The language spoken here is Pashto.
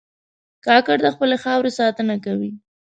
کاکړ د خپلې خاورې ساتنه کوي.